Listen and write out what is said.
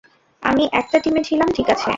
আমি একটা টিমে ছিলাম, ঠিক আছে?